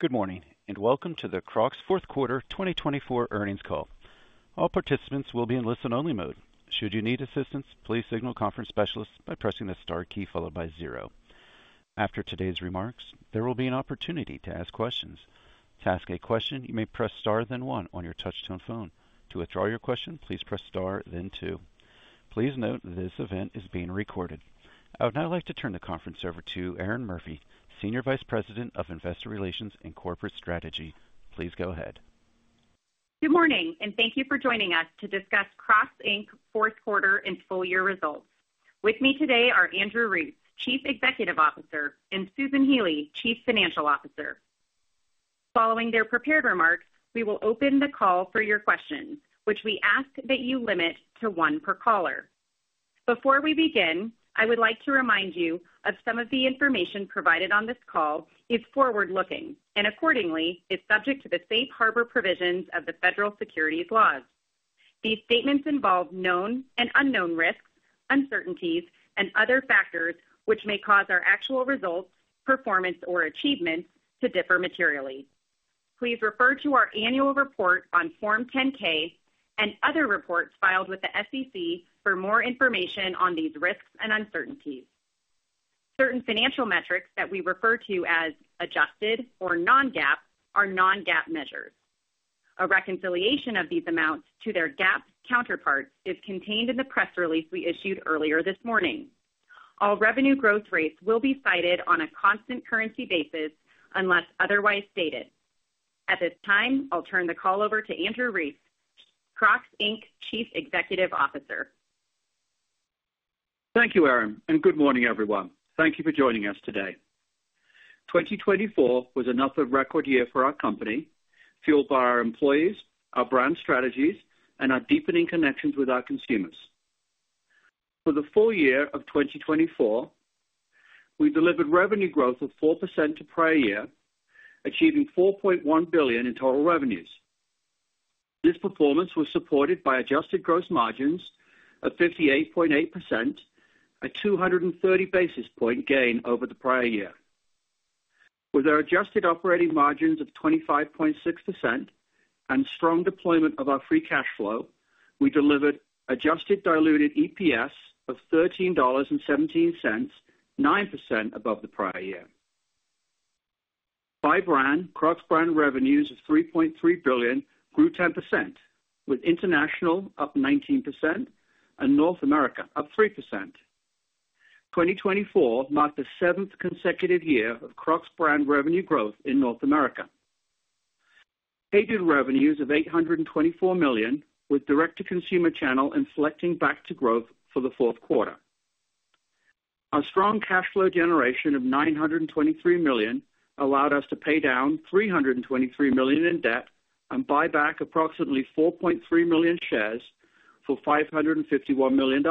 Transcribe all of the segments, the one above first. Good morning, and welcome to the Crocs Fourth Quarter 2024 Earnings Call. All participants will be in listen-only mode. Should you need assistance, please signal conference specialists by pressing the star key followed by zero. After today's remarks, there will be an opportunity to ask questions. To ask a question, you may press star then one on your touch-tone phone. To withdraw your question, please press star then two. Please note that this event is being recorded. I would now like to turn the conference over to Erinn Murphy, SVP of Investor Relations and Corporate Strategy. Please go ahead. Good morning, and thank you for joining us to discuss Crocs, Inc Fourth Quarter and Full-Year Results. With me today are Andrew Rees, CEO, and Susan Healy, CFO. Following their prepared remarks, we will open the call for your questions, which we ask that you limit to one per caller. Before we begin, I would like to remind you of some of the information provided on this call is forward-looking and, accordingly, is subject to the Safe Harbor Provisions of the federal securities laws. These statements involve known and unknown risks, uncertainties, and other factors which may cause our actual results, performance, or achievements to differ materially. Please refer to our annual report on Form 10-K and other reports filed with the SEC for more information on these risks and uncertainties. Certain financial metrics that we refer to as adjusted or non-GAAP are non-GAAP measures. A reconciliation of these amounts to their GAAP counterparts is contained in the press release we issued earlier this morning. All revenue growth rates will be cited on a constant currency basis unless otherwise stated. At this time, I'll turn the call over to Andrew Rees, Crocs, Inc CEO. Thank you, Erinn, and good morning, everyone. Thank you for joining us today. 2024 was enough of a record year for our company, fueled by our employees, our brand strategies, and our deepening connections with our consumers. For the full year of 2024, we delivered revenue growth of 4% to prior year, achieving $4.1 billion in total revenues. This performance was supported by adjusted gross margins of 58.8%, a 230 basis point gain over the prior year. With our adjusted operating margins of 25.6% and strong deployment of our free cash flow, we delivered adjusted diluted EPS of $13.17, 9% above the prior year. By brand, Crocs brand revenues of $3.3 billion grew 10%, with international up 19% and North America up 3%. 2024 marked the seventh consecutive year of Crocs brand revenue growth in North America. HEYDUDE revenues of $824 million, with direct-to-consumer channel inflecting back to growth for the fourth quarter. Our strong cash flow generation of $923 million allowed us to pay down $323 million in debt and buy back approximately 4.3 million shares for $551 million.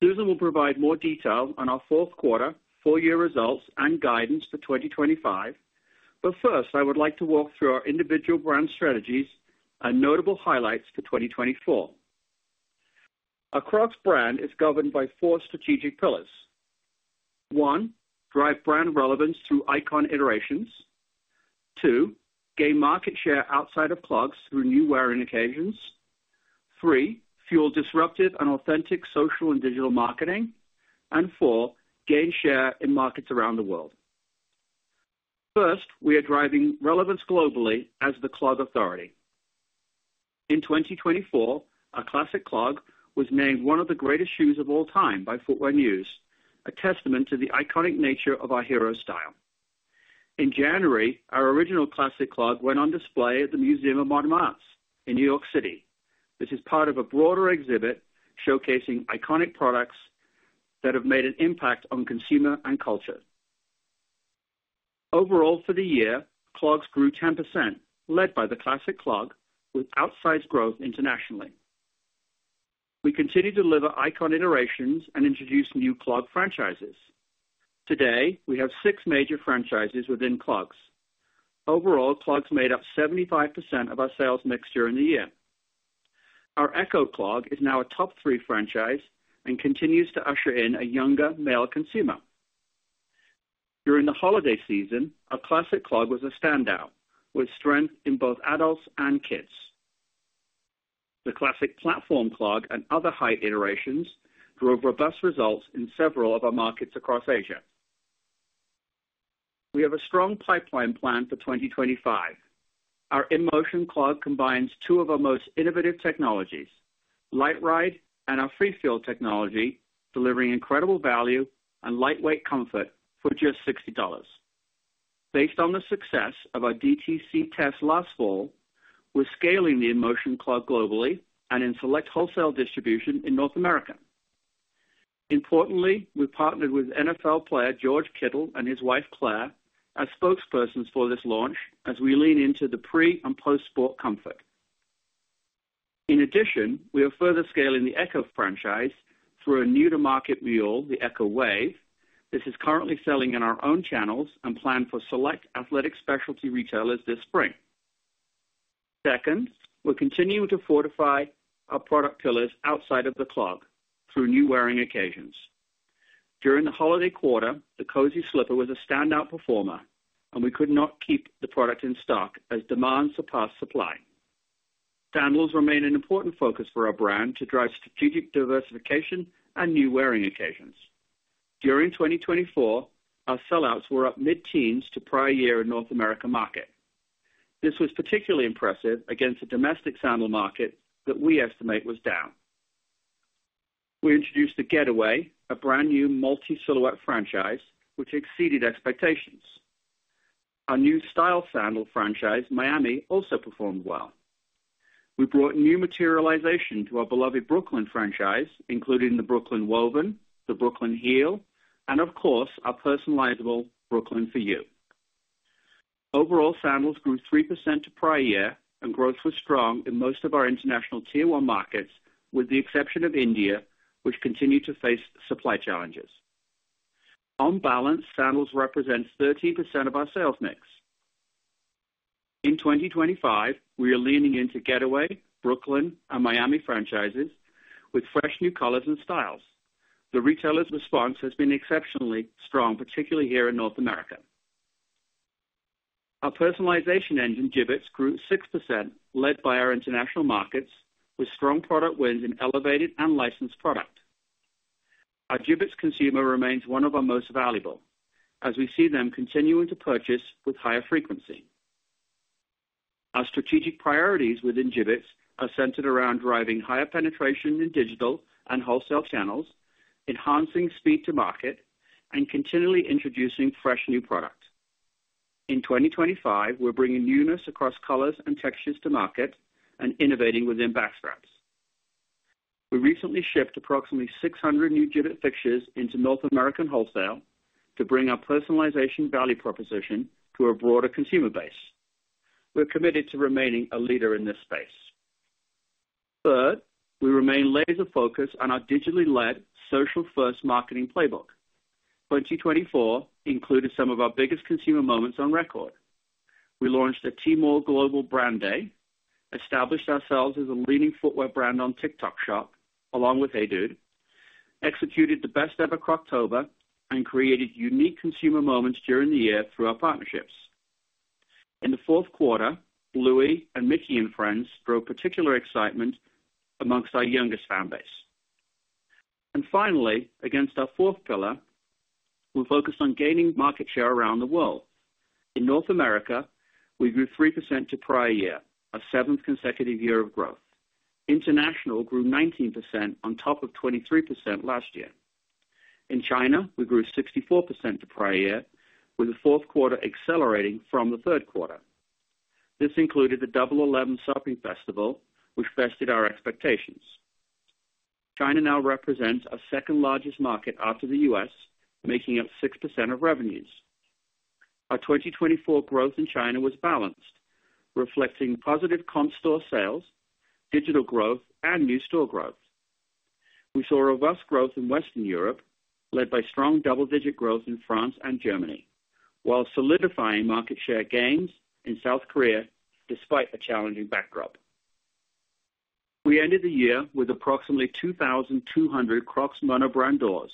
Susan will provide more detail on our fourth quarter, full-year results, and guidance for 2025, but first, I would like to walk through our individual brand strategies and notable highlights for 2024. The Crocs brand is governed by four strategic pillars. One, drive brand relevance through iconic iterations. Two, gain market share outside of clogs through new wearing occasions. Three, fuel disruptive and authentic social and digital marketing. And four, gain share in markets around the world. First, we are driving relevance globally as the Clog Authority. In 2024, our Classic Clog was named one of the greatest shoes of all time by Footwear News, a testament to the iconic nature of our hero style. In January, our original Classic Clog went on display at The Museum of Modern Art in New York City. This is part of a broader exhibit showcasing iconic products that have made an impact on consumers and culture. Overall, for the year, clogs grew 10%, led by the Classic Clog, with outsized growth internationally. We continue to deliver iconic iterations and introduce new clog franchises. Today, we have six major franchises within clogs. Overall, clogs made up 75% of our sales mix during the year. Our Echo Clog is now a top three franchise and continues to usher in a younger male consumer. During the holiday season, our Classic Clog was a standout, with strength in both adults and kids. The Classic Platform Clog and other height iterations drove robust results in several of our markets across Asia. We have a strong pipeline planned for 2025. Our InMotion Clog combines two of our most innovative technologies, LiteRide and our Free Feel Technology, delivering incredible value and lightweight comfort for just $60. Based on the success of our DTC test last fall, we're scaling the InMotion Clog globally and in select wholesale distribution in North America. Importantly, we partnered with NFL player George Kittle and his wife, Claire Kittle, as spokespersons for this launch as we lean into the pre- and post-sport comfort. In addition, we are further scaling the Echo franchise through a new-to-market mule, the Echo Wave. This is currently selling in our own channels and planned for select athletic specialty retailers this spring. Second, we're continuing to fortify our product pillars outside of the clog through new wearing occasions. During the holiday quarter, the Cozzzy Slipper was a standout performer, and we could not keep the product in stock as demand surpassed supply. Sandals remain an important focus for our brand to drive strategic diversification and new wearing occasions. During 2024, our sellouts were up mid-teens to prior year in North America market. This was particularly impressive against a domestic sandal market that we estimate was down. We introduced the Getaway, a brand new multi-silhouette franchise, which exceeded expectations. Our new style sandal franchise, Miami, also performed well. We brought new materialization to our beloved Brooklyn franchise, including the Brooklyn Woven, the Brooklyn Heel, and, of course, our personalizable Brooklyn for you. Overall, sandals grew 3% to prior year, and growth was strong in most of our international tier-one markets, with the exception of India, which continued to face supply challenges. On balance, sandals represent 13% of our sales mix. In 2025, we are leaning into Getaway, Brooklyn, and Miami franchises with fresh new colors and styles. The retailer's response has been exceptionally strong, particularly here in North America. Our personalization engine, Jibbitz, grew 6%, led by our international markets, with strong product wins in elevated and licensed product. Our Jibbitz consumer remains one of our most valuable, as we see them continuing to purchase with higher frequency. Our strategic priorities within Jibbitz are centered around driving higher penetration in digital and wholesale channels, enhancing speed to market, and continually introducing fresh new products. In 2025, we're bringing newness across colors and textures to market and innovating within backstraps. We recently shipped approximately 600 new Jibbitz fixtures into North American wholesale to bring our personalization value proposition to a broader consumer base. We're committed to remaining a leader in this space. Third, we remain laser-focused on our digitally-led, social-first marketing playbook. 2024 included some of our biggest consumer moments on record. We launched a Tmall Global Brand Day, established ourselves as a leading footwear brand on TikTok Shop, along with HEYDUDE, executed the best-ever Croctober, and created unique consumer moments during the year through our partnerships. In the fourth quarter, Lilo and Mickey and friends drove particular excitement among our youngest fanbase. Finally, against our fourth pillar, we focused on gaining market share around the world. In North America, we grew 3% to prior year, a seventh consecutive year of growth. International grew 19% on top of 23% last year. In China, we grew 64% to prior year, with the fourth quarter accelerating from the third quarter. This included the Double 11 Shopping Festival, which bested our expectations. China now represents our second-largest market after the U.S., making up 6% of revenues. Our 2024 growth in China was balanced, reflecting positive comp-store sales, digital growth, and new store growth. We saw robust growth in Western Europe, led by strong double-digit growth in France and Germany, while solidifying market share gains in South Korea despite a challenging backdrop. We ended the year with approximately 2,200 Crocs monobrand doors,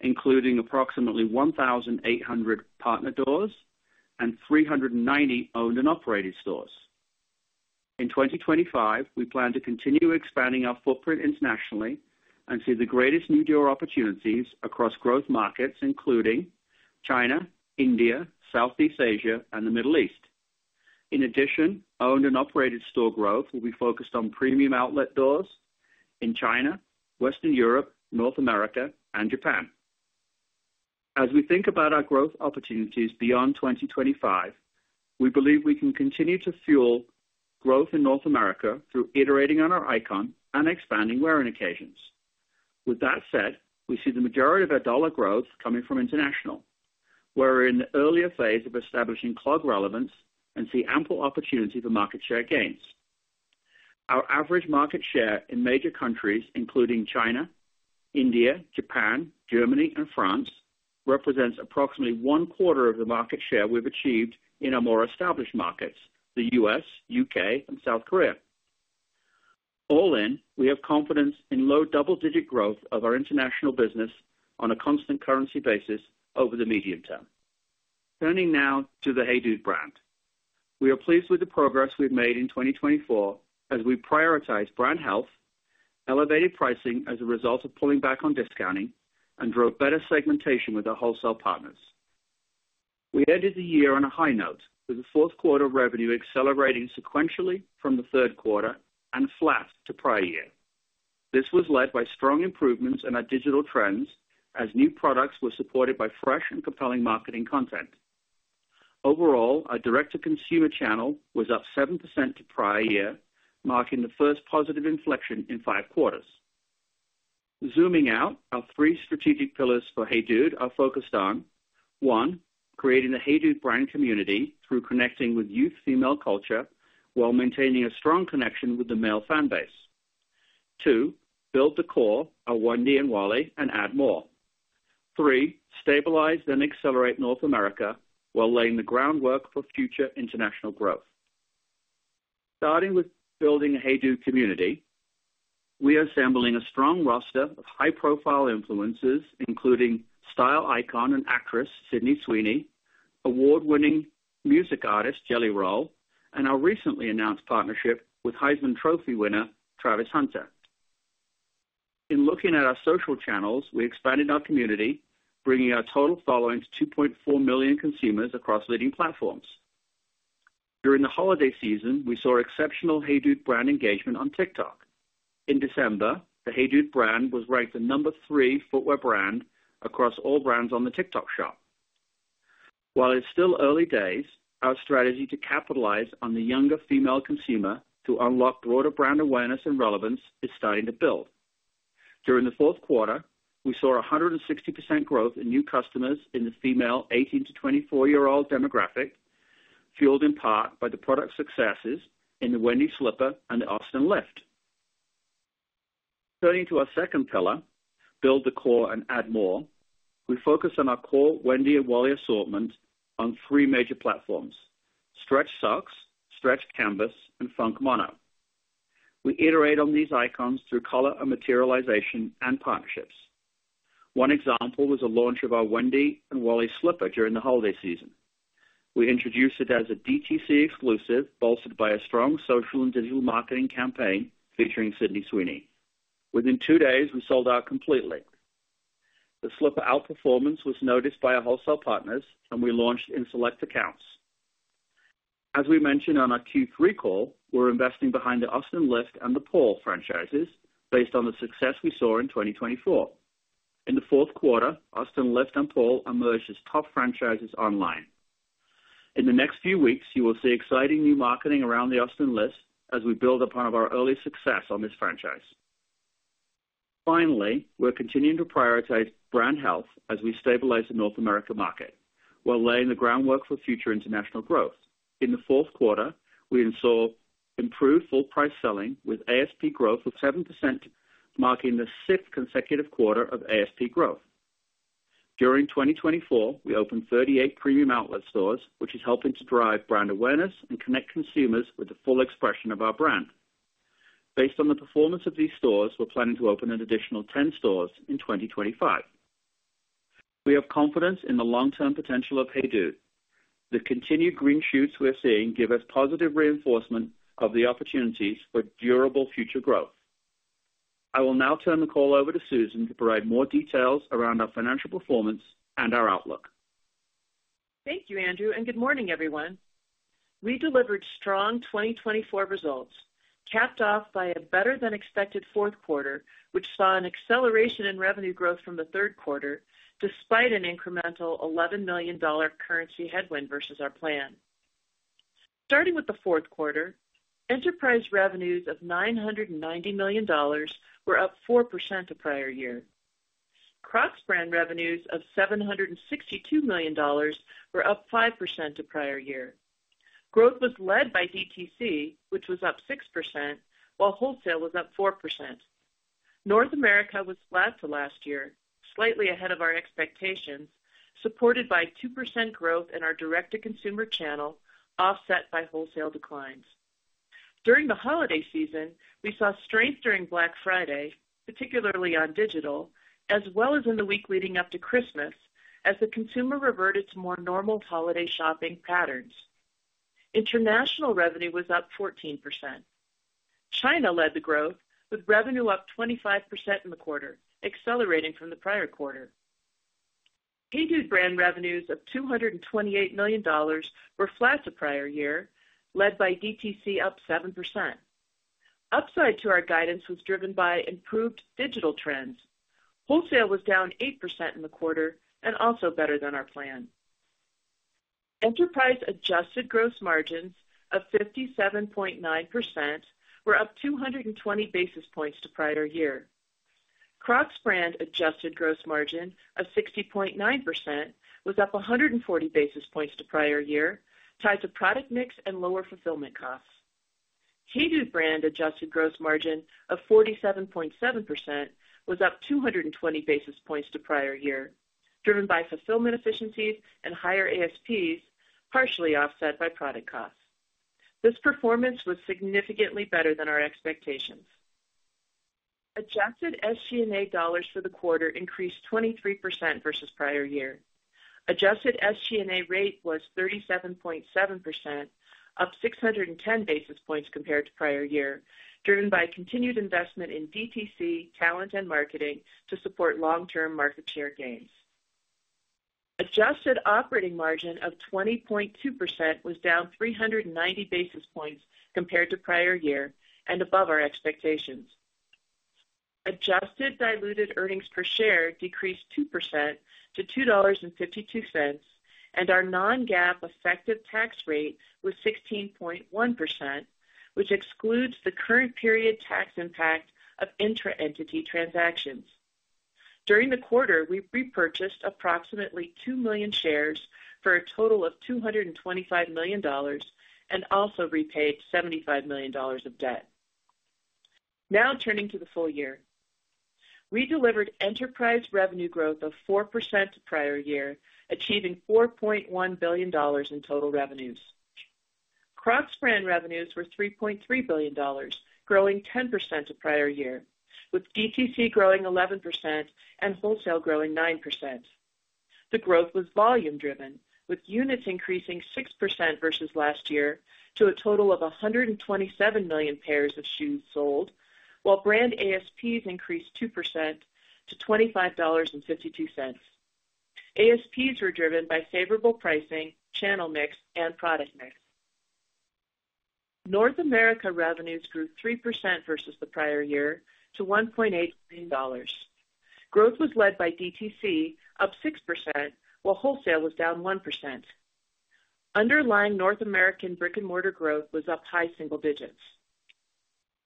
including approximately 1,800 partner doors and 390 owned and operated stores. In 2025, we plan to continue expanding our footprint internationally and see the greatest new door opportunities across growth markets, including China, India, Southeast Asia, and the Middle East. In addition, owned and operated store growth will be focused on premium outlet doors in China, Western Europe, North America, and Japan. As we think about our growth opportunities beyond 2025, we believe we can continue to fuel growth in North America through iterating on our icon and expanding wearing occasions. With that said, we see the majority of our dollar growth coming from international. We're in the earlier phase of establishing Clog relevance and see ample opportunity for market share gains. Our average market share in major countries, including China, India, Japan, Germany, and France, represents approximately one-quarter of the market share we've achieved in our more established markets, the U.S., U.K., and South Korea. All in, we have confidence in low double-digit growth of our international business on a constant currency basis over the medium term. Turning now to the HEYDUDE brand, we are pleased with the progress we've made in 2024 as we prioritized brand health, elevated pricing as a result of pulling back on discounting, and drove better segmentation with our wholesale partners. We ended the year on a high note, with the fourth quarter revenue accelerating sequentially from the third quarter and flat to prior year. This was led by strong improvements in our digital trends as new products were supported by fresh and compelling marketing content. Overall, our direct-to-consumer channel was up 7% to prior year, marking the first positive inflection in five quarters. Zooming out, our three strategic pillars for HEYDUDE are focused on: one, creating the HEYDUDE brand community through connecting with youth female culture while maintaining a strong connection with the male fanbase. Two, build the core, our Wendy and Wally, and add more. Three, stabilize and accelerate North America while laying the groundwork for future international growth. Starting with building a HEYDUDE community, we are assembling a strong roster of high-profile influencers, including style icon and actress Sydney Sweeney, award-winning music artist Jelly Roll, and our recently announced partnership with Heisman Trophy winner Travis Hunter. In looking at our social channels, we expanded our community, bringing our total following to 2.4 million consumers across leading platforms. During the holiday season, we saw exceptional HEYDUDE brand engagement on TikTok. In December, the HEYDUDE brand was ranked the number three footwear brand across all brands on the TikTok Shop. While it's still early days, our strategy to capitalize on the younger female consumer to unlock broader brand awareness and relevance is starting to build. During the fourth quarter, we saw 160% growth in new customers in the female 18 to 24-year-old demographic, fueled in part by the product successes in the Wendy Slipper and the Austin Lift. Turning to our second pillar, build the core and add more, we focus on our core Wendy and Wally assortment on three major platforms: Stretch Sox, Stretch Canvas, and Funk Mono. We iterate on these icons through color and materialization and partnerships. One example was the launch of our Wendy and Wally Slipper during the holiday season. We introduced it as a DTC exclusive bolstered by a strong social and digital marketing campaign featuring Sydney Sweeney. Within two days, we sold out completely. The slipper outperformance was noticed by our wholesale partners, and we launched in select accounts. As we mentioned on our Q3 call, we're investing behind the Austin Lift and the Paul franchises based on the success we saw in 2024. In the fourth quarter, Austin Lift and Paul emerged as top franchises online. In the next few weeks, you will see exciting new marketing around the Austin Lift as we build upon our earlier success on this franchise. Finally, we're continuing to prioritize brand health as we stabilize the North America market while laying the groundwork for future international growth. In the fourth quarter, we saw improved full-price selling with ASP growth of 7%, marking the sixth consecutive quarter of ASP growth. During 2024, we opened 38 premium outlet stores, which is helping to drive brand awareness and connect consumers with the full expression of our brand. Based on the performance of these stores, we're planning to open an additional 10 stores in 2025. We have confidence in the long-term potential of HEYDUDE. The continued green shoots we're seeing give us positive reinforcement of the opportunities for durable future growth. I will now turn the call over to Susan to provide more details around our financial performance and our outlook. Thank you, Andrew. And good morning, everyone. We delivered strong 2024 results, capped off by a better-than-expected fourth quarter, which saw an acceleration in revenue growth from the third quarter, despite an incremental $11 million currency headwind versus our plan. Starting with the fourth quarter, enterprise revenues of $990 million were up 4% to prior year. Crocs brand revenues of $762 million were up 5% to prior year. Growth was led by DTC, which was up 6%, while wholesale was up 4%. North America was flat to last year, slightly ahead of our expectations, supported by 2% growth in our direct-to-consumer channel, offset by wholesale declines. During the holiday season, we saw strength during Black Friday, particularly on digital, as well as in the week leading up to Christmas, as the consumer reverted to more normal holiday shopping patterns. International revenue was up 14%. China led the growth, with revenue up 25% in the quarter, accelerating from the prior quarter. HEYDUDE brand revenues of $228 million were flat to prior year, led by DTC up 7%. Upside to our guidance was driven by improved digital trends. Wholesale was down 8% in the quarter and also better than our plan. Enterprise adjusted gross margins of 57.9% were up 220 basis points to prior year. Crocs brand adjusted gross margin of 60.9% was up 140 basis points to prior year, tied to product mix and lower fulfillment costs. HEYDUDE brand adjusted gross margin of 47.7% was up 220 basis points to prior year, driven by fulfillment efficiencies and higher ASPs, partially offset by product costs. This performance was significantly better than our expectations. Adjusted SG&A dollars for the quarter increased 23% versus prior year. Adjusted SG&A rate was 37.7%, up 610 basis points compared to prior year, driven by continued investment in DTC, talent, and marketing to support long-term market share gains. Adjusted operating margin of 20.2% was down 390 basis points compared to prior year and above our expectations. Adjusted diluted earnings per share decreased 2% to $2.52, and our non-GAAP effective tax rate was 16.1%, which excludes the current period tax impact of intra-entity transactions. During the quarter, we repurchased approximately two million shares for a total of $225 million and also repaid $75 million of debt. Now turning to the full year, we delivered enterprise revenue growth of 4% to prior year, achieving $4.1 billion in total revenues. Crocs brand revenues were $3.3 billion, growing 10% to prior year, with DTC growing 11% and wholesale growing 9%. The growth was volume-driven, with units increasing 6% versus last year to a total of 127 million pairs of shoes sold, while brand ASPs increased 2% to $25.52. ASPs were driven by favorable pricing, channel mix, and product mix. North America revenues grew 3% versus the prior year to $1.8 billion. Growth was led by DTC, up 6%, while wholesale was down 1%. Underlying North American brick-and-mortar growth was up high single digits.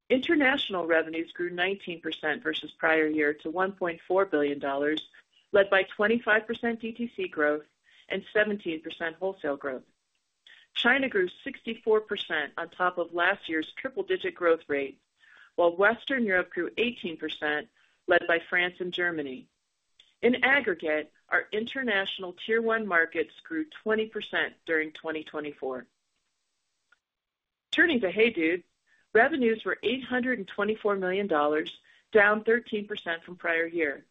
International revenues grew 19% versus prior year to $1.4 billion, led by 25% DTC growth and 17% wholesale growth. China grew 64% on top of last year's triple-digit growth rate, while Western Europe grew 18%, led by France and Germany. In aggregate, our international Tier 1 markets grew 20% during 2024. Turning to HEYDUDE, revenues were $824 million, down 13% from prior year.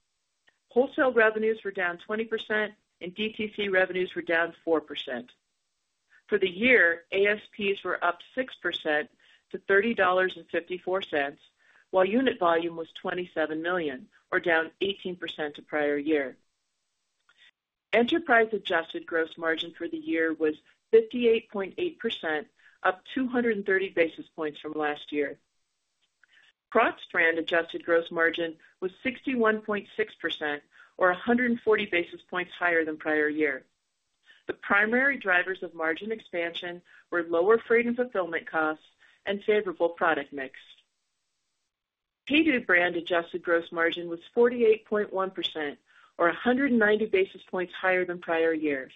Wholesale revenues were down 20%, and DTC revenues were down 4%. For the year, ASPs were up 6% to $30.54, while unit volume was 27 million, or down 18% to prior year. Enterprise adjusted gross margin for the year was 58.8%, up 230 basis points from last year. Crocs brand adjusted gross margin was 61.6%, or 140 basis points higher than prior year. The primary drivers of margin expansion were lower freight and fulfillment costs and favorable product mix. HEYDUDE brand adjusted gross margin was 48.1%, or 190 basis points higher than prior year.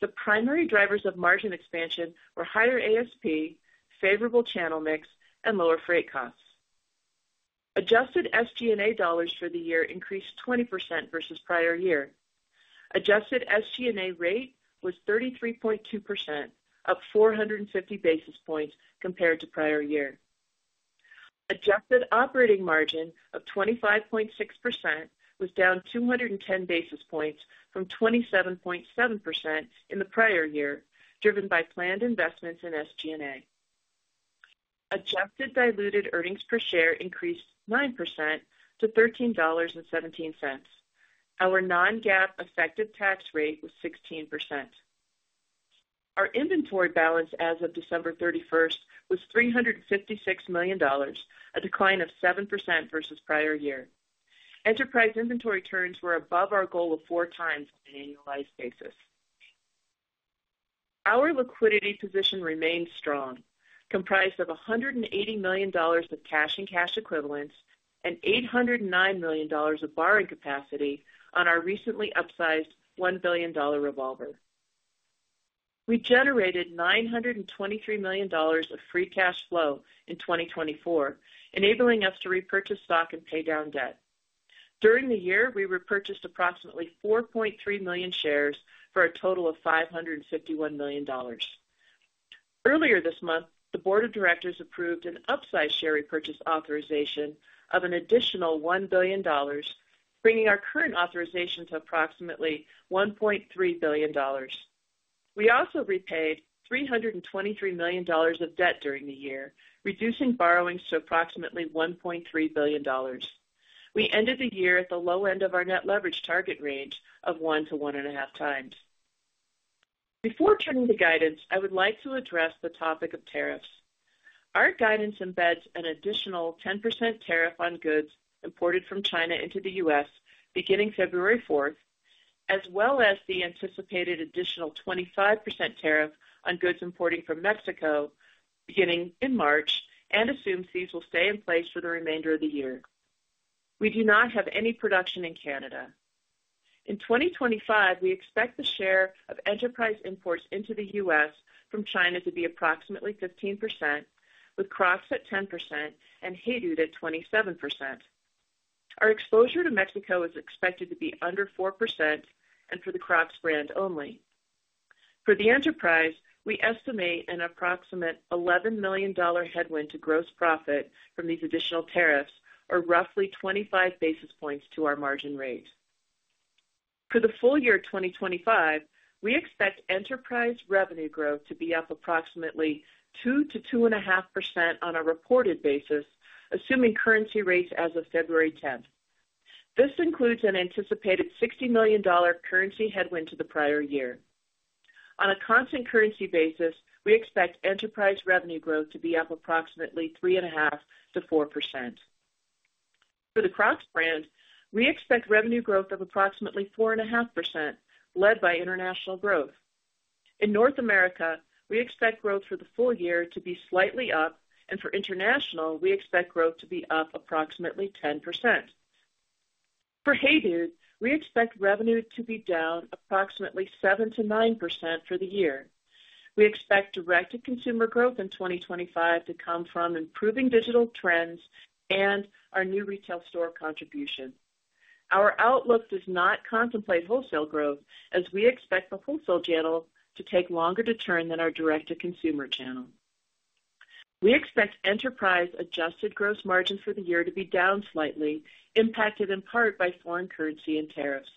The primary drivers of margin expansion were higher ASP, favorable channel mix, and lower freight costs. Adjusted SG&A dollars for the year increased 20% versus prior year. Adjusted SG&A rate was 33.2%, up 450 basis points compared to prior year. Adjusted operating margin of 25.6% was down 210 basis points from 27.7% in the prior year, driven by planned investments in SG&A. Adjusted diluted earnings per share increased 9% to $13.17. Our non-GAAP effective tax rate was 16%. Our inventory balance as of December 31st was $356 million, a decline of 7% versus prior year. Enterprise inventory turns were above our goal of four times on an annualized basis. Our liquidity position remained strong, comprised of $180 million of cash and cash equivalents and $809 million of borrowing capacity on our recently upsized $1 billion revolver. We generated $923 million of free cash flow in 2024, enabling us to repurchase stock and pay down debt. During the year, we repurchased approximately 4.3 million shares for a total of $551 million. Earlier this month, the board of directors approved an upside share repurchase authorization of an additional $1 billion, bringing our current authorization to approximately $1.3 billion. We also repaid $323 million of debt during the year, reducing borrowings to approximately $1.3 billion. We ended the year at the low end of our net leverage target range of one to one and a half times. Before turning to guidance, I would like to address the topic of tariffs. Our guidance embeds an additional 10% tariff on goods imported from China into the U.S. beginning February 4th, as well as the anticipated additional 25% tariff on goods imported from Mexico beginning in March, and assumes these will stay in place for the remainder of the year. We do not have any production in Canada. In 2025, we expect the share of enterprise imports into the U.S. from China to be approximately 15%, with Crocs at 10% and HEYDUDE at 27%. Our exposure to Mexico is expected to be under 4% and for the Crocs brand only. For the enterprise, we estimate an approximate $11 million headwind to gross profit from these additional tariffs, or roughly 25 basis points to our margin rate. For the full year 2025, we expect enterprise revenue growth to be up approximately 2%-2.5% on a reported basis, assuming currency rates as of February 10th. This includes an anticipated $60 million currency headwind to the prior year. On a constant currency basis, we expect enterprise revenue growth to be up approximately 3.5%-4%. For the Crocs brand, we expect revenue growth of approximately 4.5%, led by international growth. In North America, we expect growth for the full year to be slightly up, and for international, we expect growth to be up approximately 10%. For HEYDUDE, we expect revenue to be down approximately 7%-9% for the year. We expect direct-to-consumer growth in 2025 to come from improving digital trends and our new retail store contribution. Our outlook does not contemplate wholesale growth, as we expect the wholesale channel to take longer to turn than our direct-to-consumer channel. We expect enterprise adjusted gross margin for the year to be down slightly, impacted in part by foreign currency and tariffs.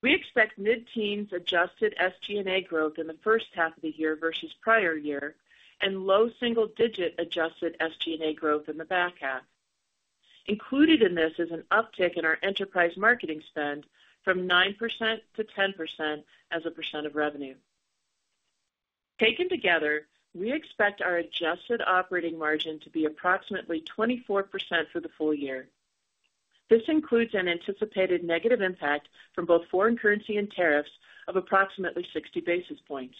We expect mid-teens adjusted SG&A growth in the first half of the year versus prior year, and low single-digit adjusted SG&A growth in the back half. Included in this is an uptick in our enterprise marketing spend from 9% to 10% as a percent of revenue. Taken together, we expect our adjusted operating margin to be approximately 24% for the full year. This includes an anticipated negative impact from both foreign currency and tariffs of approximately 60 basis points.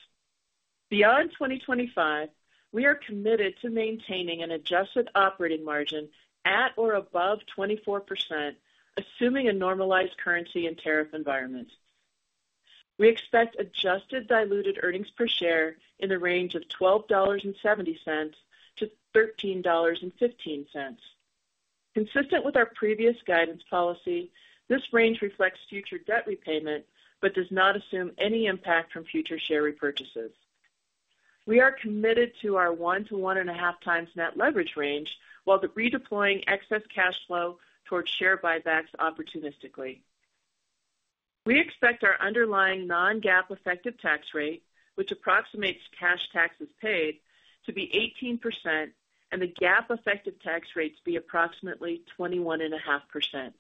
Beyond 2025, we are committed to maintaining an adjusted operating margin at or above 24%, assuming a normalized currency and tariff environment. We expect adjusted diluted earnings per share in the range of $12.70-$13.15. Consistent with our previous guidance policy, this range reflects future debt repayment but does not assume any impact from future share repurchases. We are committed to our one to one and a half times net leverage range, while redeploying excess cash flow towards share buybacks opportunistically. We expect our underlying non-GAAP effective tax rate, which approximates cash taxes paid, to be 18%, and the GAAP effective tax rate to be approximately 21.5%.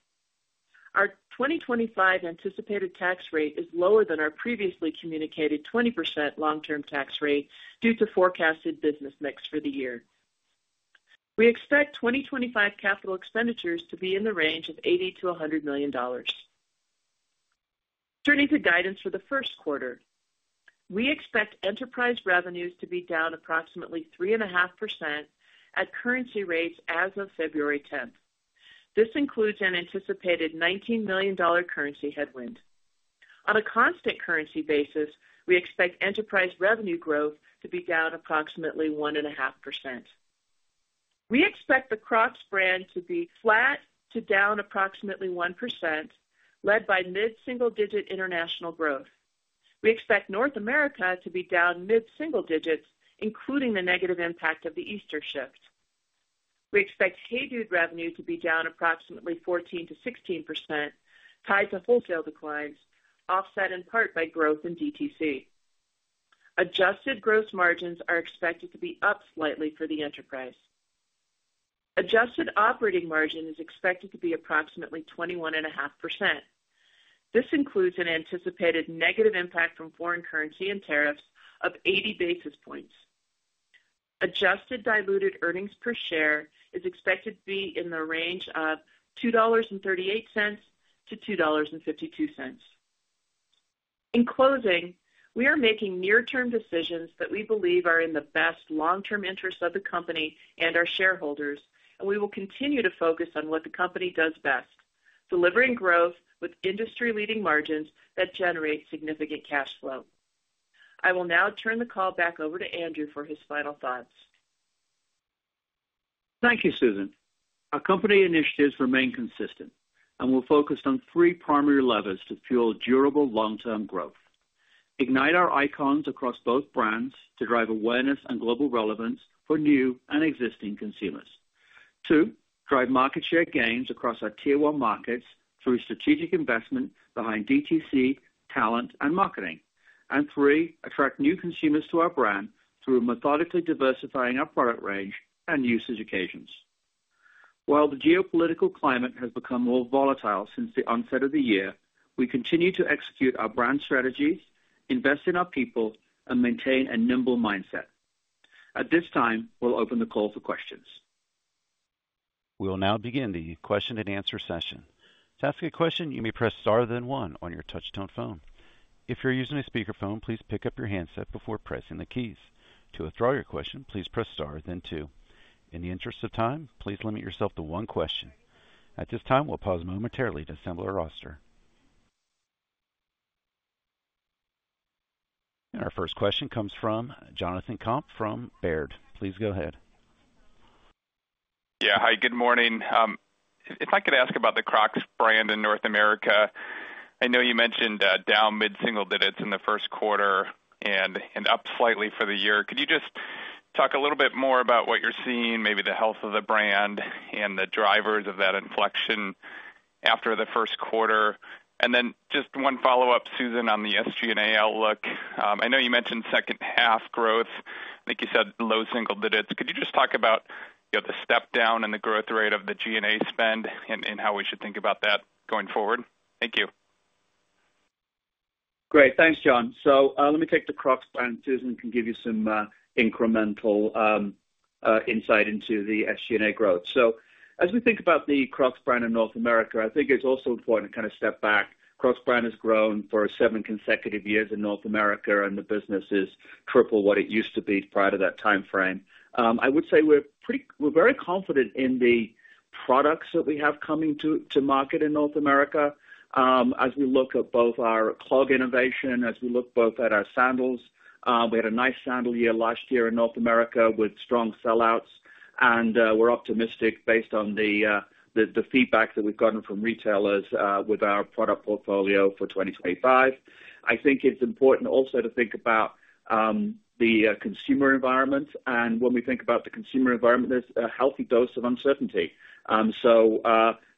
Our 2025 anticipated tax rate is lower than our previously communicated 20% long-term tax rate due to forecasted business mix for the year. We expect 2025 capital expenditures to be in the range of $80-$100 million. Turning to guidance for the first quarter, we expect enterprise revenues to be down approximately 3.5% at currency rates as of February 10th. This includes an anticipated $19 million currency headwind. On a constant currency basis, we expect enterprise revenue growth to be down approximately 1.5%. We expect the Crocs brand to be flat to down approximately 1%, led by mid-single-digit international growth. We expect North America to be down mid-single digits, including the negative impact of the Easter shift. We expect HEYDUDE revenue to be down approximately 14%-16%, tied to wholesale declines, offset in part by growth in DTC. Adjusted gross margins are expected to be up slightly for the enterprise. Adjusted operating margin is expected to be approximately 21.5%. This includes an anticipated negative impact from foreign currency and tariffs of 80 basis points. Adjusted diluted earnings per share is expected to be in the range of $2.38-$2.52. In closing, we are making near-term decisions that we believe are in the best long-term interest of the company and our shareholders, and we will continue to focus on what the company does best: delivering growth with industry-leading margins that generate significant cash flow. I will now turn the call back over to Andrew for his final thoughts. Thank you, Susan. Our company initiatives remain consistent, and we'll focus on three primary levers to fuel durable long-term growth. Ignite our icons across both brands to drive awareness and global relevance for new and existing consumers. Two, drive market share gains across our Tier 1 markets through strategic investment behind DTC, talent, and marketing. And three, attract new consumers to our brand through methodically diversifying our product range and use occasions. While the geopolitical climate has become more volatile since the onset of the year, we continue to execute our brand strategies, invest in our people, and maintain a nimble mindset. At this time, we'll open the call for questions. We'll now begin the question and answer session. To ask a question, you may press star then one on your touch-tone phone. If you're using a speakerphone, please pick up your handset before pressing the keys. To withdraw your question, please press star then two. In the interest of time, please limit yourself to one question. At this time, we'll pause momentarily to assemble our roster. And our first question comes from Jonathan Komp from Baird. Please go ahead. Yeah. Hi, good morning. If I could ask about the Crocs brand in North America, I know you mentioned down mid-single digits in the first quarter and up slightly for the year. Could you just talk a little bit more about what you're seeing, maybe the health of the brand and the drivers of that inflection after the first quarter? And then just one follow-up, Susan, on the SG&A outlook. I know you mentioned second half growth. I think you said low single digits. Could you just talk about the step down in the growth rate of the G&A spend and how we should think about that going forward? Thank you. Great. Thanks, John. So let me take the Crocs brand, Susan, and give you some incremental insight into the SG&A growth. So as we think about the Crocs brand in North America, I think it's also important to kind of step back. Crocs brand has grown for seven consecutive years in North America, and the business is triple what it used to be prior to that timeframe. I would say we're very confident in the products that we have coming to market in North America. As we look at both our clog innovation, as we look both at our sandals, we had a nice sandal year last year in North America with strong sellouts, and we're optimistic based on the feedback that we've gotten from retailers with our product portfolio for 2025. I think it's important also to think about the consumer environment. And when we think about the consumer environment, there's a healthy dose of uncertainty. So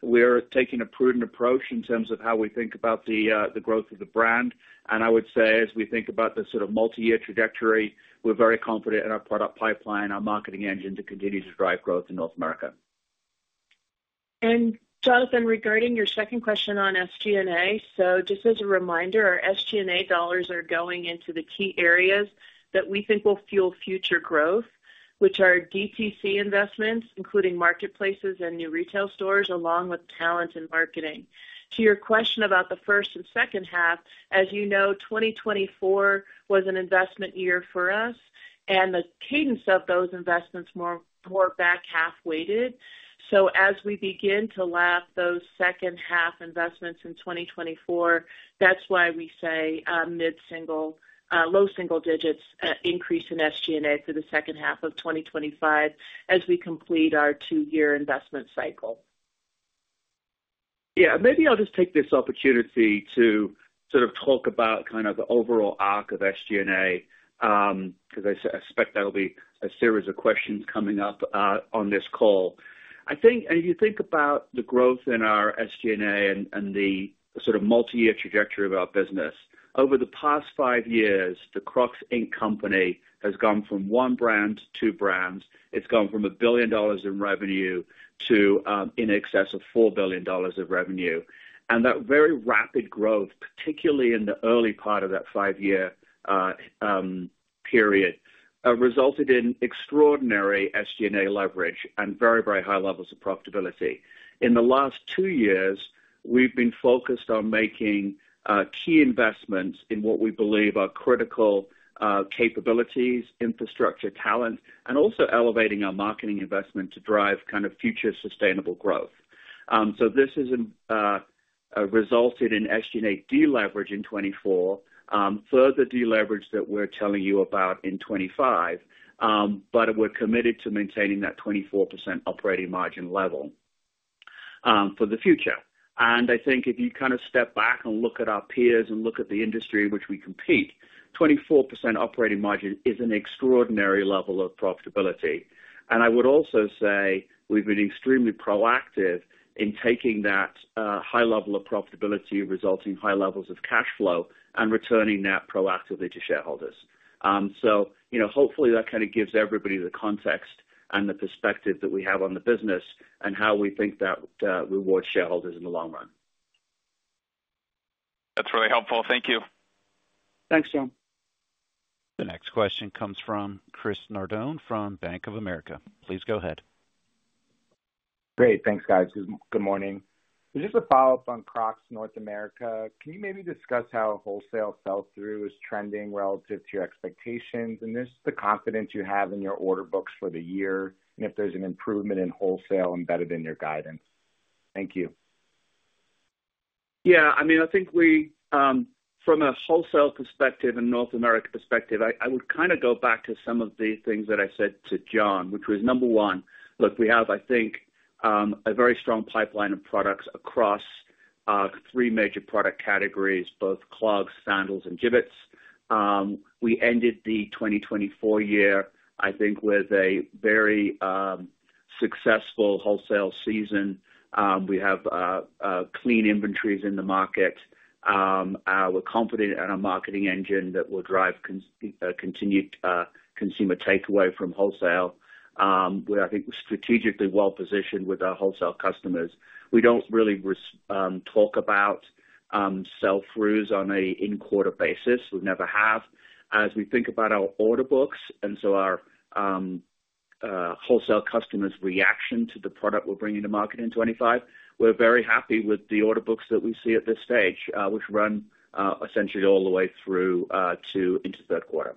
we're taking a prudent approach in terms of how we think about the growth of the brand. And I would say, as we think about the sort of multi-year trajectory, we're very confident in our product pipeline and our marketing engine to continue to drive growth in North America. Jonathan, regarding your second question on SG&A, so just as a reminder, our SG&A dollars are going into the key areas that we think will fuel future growth, which are DTC investments, including marketplaces and new retail stores, along with talent and marketing. To your question about the first and second half, as you know, 2024 was an investment year for us, and the cadence of those investments more back half weighted. So as we begin to lap those second half investments in 2024, that's why we say mid-single, low single digits increase in SG&A for the second half of 2025 as we complete our two-year investment cycle. Yeah. Maybe I'll just take this opportunity to sort of talk about kind of the overall arc of SG&A because I expect there'll be a series of questions coming up on this call. I think, if you think about the growth in our SG&A and the sort of multi-year trajectory of our business, over the past five years, the Crocs, Inc. company has gone from one brand to two brands. It's gone from $1 billion in revenue to in excess of $4 billion of revenue. And that very rapid growth, particularly in the early part of that five-year period, resulted in extraordinary SG&A leverage and very, very high levels of profitability. In the last two years, we've been focused on making key investments in what we believe are critical capabilities, infrastructure, talent, and also elevating our marketing investment to drive kind of future sustainable growth. So this has resulted in SG&A deleveraging 2024, further deleverage that we're telling you about in 2025, but we're committed to maintaining that 24% operating margin level for the future. And I think if you kind of step back and look at our peers and look at the industry in which we compete, 24% operating margin is an extraordinary level of profitability. And I would also say we've been extremely proactive in taking that high level of profitability, resulting in high levels of cash flow, and returning that proactively to shareholders. So hopefully that kind of gives everybody the context and the perspective that we have on the business and how we think that rewards shareholders in the long run. That's really helpful. Thank you. Thanks, John. The next question comes from Chris Nardone from Bank of America. Please go ahead. Great. Thanks, guys. Good morning. This is a follow-up on Crocs North America. Can you maybe discuss how wholesale sell-through is trending relative to your expectations and just the confidence you have in your order books for the year and if there's an improvement in wholesale embedded in your guidance? Thank you. Yeah. I mean, I think from a wholesale perspective and North America perspective, I would kind of go back to some of the things that I said to John, which was number one, look, we have, I think, a very strong pipeline of products across three major product categories, both Clogs, Sandals, and Jibbitz. We ended the 2024 year, I think, with a very successful wholesale season. We have clean inventories in the market. We're confident in our marketing engine that will drive continued consumer takeaway from wholesale. We're, I think, strategically well-positioned with our wholesale customers. We don't really talk about sell-throughs on an in-quarter basis. We never have. As we think about our order books, and so our wholesale customers' reaction to the product we're bringing to market in 2025, we're very happy with the order books that we see at this stage, which run essentially all the way through into third quarter.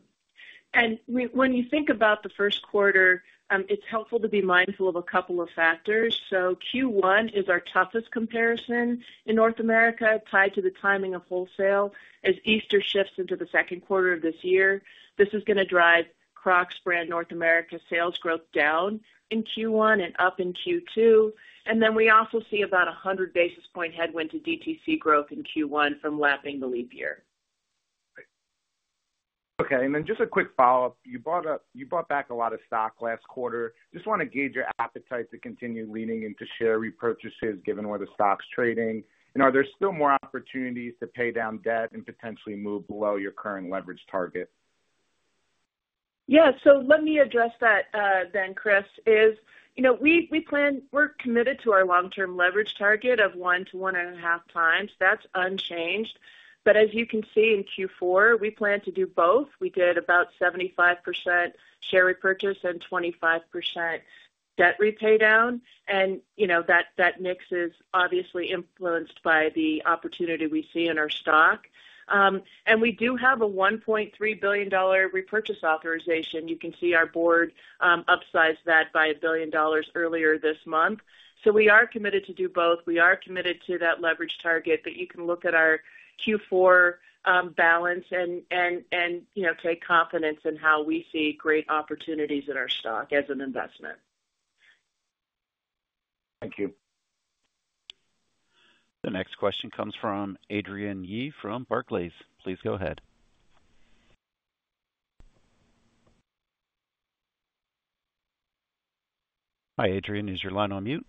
And when you think about the first quarter, it's helpful to be mindful of a couple of factors. So Q1 is our toughest comparison in North America, tied to the timing of wholesale. As Easter shifts into the second quarter of this year, this is going to drive Crocs brand North America sales growth down in Q1 and up in Q2. And then we also see about 100 basis points headwind to DTC growth in Q1 from lapping the leap year. Okay. And then just a quick follow-up. You brought back a lot of stock last quarter. Just want to gauge your appetite to continue leaning into share repurchases given where the stock's trading, and are there still more opportunities to pay down debt and potentially move below your current leverage target? Yeah, so let me address that then, Chris. We're committed to our long-term leverage target of one to one and a half times. That's unchanged, but as you can see in Q4, we plan to do both. We did about 75% share repurchase and 25% debt repay down, and that mix is obviously influenced by the opportunity we see in our stock, and we do have a $1.3 billion repurchase authorization. You can see our board upsized that by a billion dollars earlier this month, so we are committed to do both. We are committed to that leverage target. But you can look at our Q4 balance and take confidence in how we see great opportunities in our stock as an investment. Thank you. The next question comes from Adrienne Yih from Barclays. Please go ahead. Hi, Adrienne. Is your line on mute?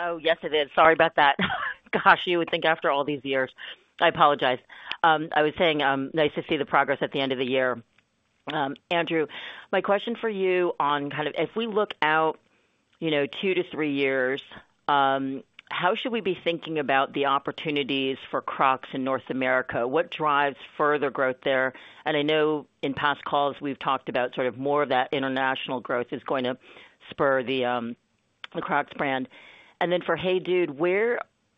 Oh, yes, it is. Sorry about that. Gosh, you would think after all these years. I apologize. I was saying nice to see the progress at the end of the year. Andrew, my question for you on kind of if we look out two to three years, how should we be thinking about the opportunities for Crocs in North America? What drives further growth there? And I know in past calls, we've talked about sort of more of that international growth is going to spur the Crocs brand. And then for HEYDUDE,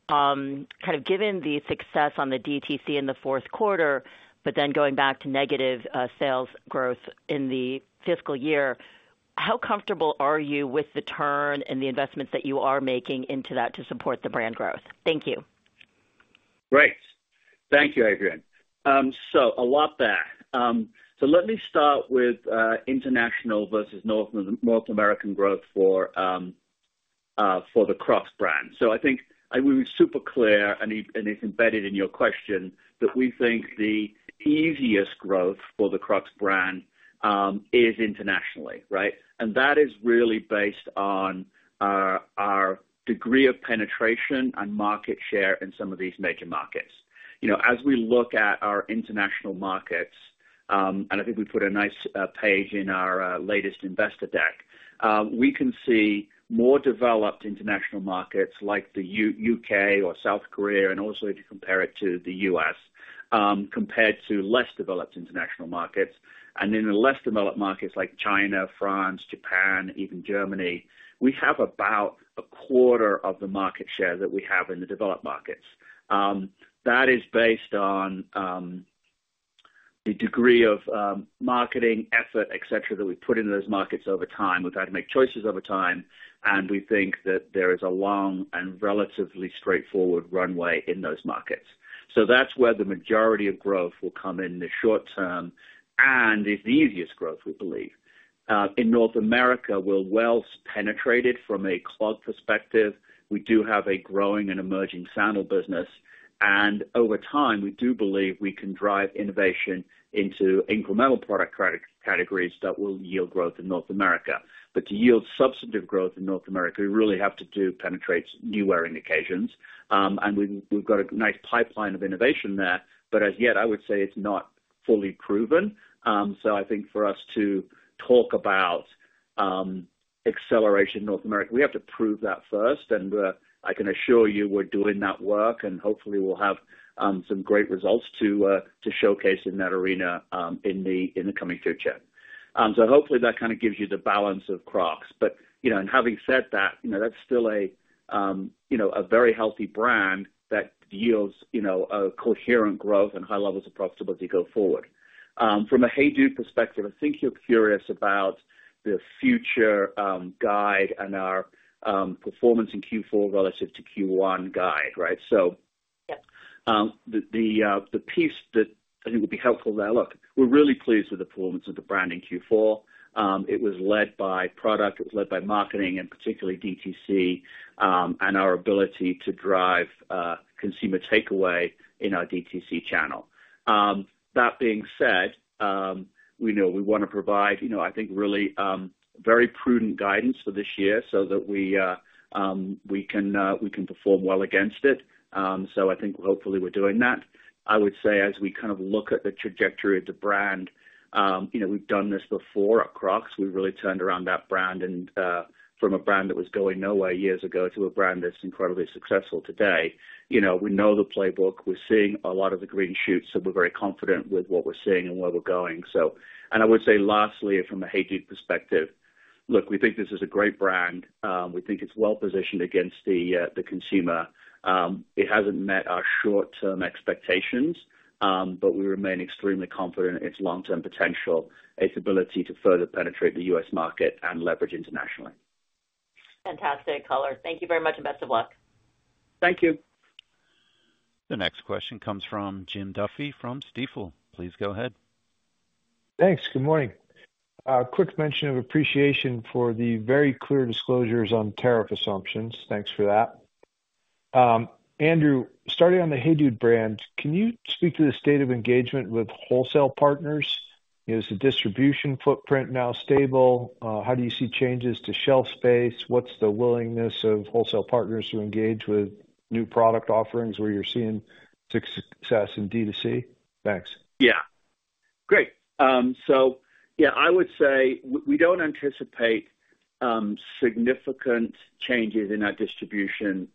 kind of given the success on the DTC in the fourth quarter, but then going back to negative sales growth in the fiscal year, how comfortable are you with the turn and the investments that you are making into that to support the brand growth? Thank you. Great. Thank you, Adrienne. So a lot there. So let me start with international versus North American growth for the Crocs brand. So I think we were super clear, and it's embedded in your question, that we think the easiest growth for the Crocs brand is internationally, right? And that is really based on our degree of penetration and market share in some of these major markets. As we look at our international markets, and I think we put a nice page in our latest investor deck, we can see more developed international markets like the U.K. or South Korea, and also to compare it to the U.S., compared to less developed international markets, and in the less developed markets like China, France, Japan, even Germany, we have about a quarter of the market share that we have in the developed markets. That is based on the degree of marketing effort, etc., that we put into those markets over time without making choices over time, and we think that there is a long and relatively straightforward runway in those markets, so that's where the majority of growth will come in the short term, and it's the easiest growth, we believe. In North America, we're well-penetrated from a clog perspective. We do have a growing and emerging sandal business. And over time, we do believe we can drive innovation into incremental product categories that will yield growth in North America. But to yield substantive growth in North America, we really have to penetrate new wearing occasions. And we've got a nice pipeline of innovation there. But as yet, I would say it's not fully proven. So I think for us to talk about acceleration in North America, we have to prove that first. And I can assure you we're doing that work, and hopefully we'll have some great results to showcase in that arena in the coming future. So hopefully that kind of gives you the balance of Crocs. But having said that, that's still a very healthy brand that yields coherent growth and high levels of profitability going forward. From a HEYDUDE perspective, I think you're curious about the future guide and our performance in Q4 relative to Q1 guide, right? So the piece that I think would be helpful there, look, we're really pleased with the performance of the brand in Q4. It was led by product. It was led by marketing, and particularly DTC, and our ability to drive consumer takeaway in our DTC channel. That being said, we want to provide, I think, really very prudent guidance for this year so that we can perform well against it. So I think hopefully we're doing that. I would say as we kind of look at the trajectory of the brand, we've done this before at Crocs. We really turned around that brand from a brand that was going nowhere years ago to a brand that's incredibly successful today. We know the playbook. We're seeing a lot of the green shoots. So we're very confident with what we're seeing and where we're going. And I would say lastly, from a HEYDUDE perspective, look, we think this is a great brand. We think it's well-positioned against the consumer. It hasn't met our short-term expectations, but we remain extremely confident in its long-term potential, its ability to further penetrate the U.S. market and leverage internationally. Fantastic color. Thank you very much and best of luck. Thank you. The next question comes from Jim Duffy from Stifel. Please go ahead. Thanks. Good morning. Quick mention of appreciation for the very clear disclosures on tariff assumptions. Thanks for that. Andrew, starting on the HEYDUDE brand, can you speak to the state of engagement with wholesale partners? Is the distribution footprint now stable? How do you see changes to shelf space? What's the willingness of wholesale partners to engage with new product offerings where you're seeing success in DTC? Thanks. Yeah. Great. So yeah, I would say we don't anticipate significant changes in our distribution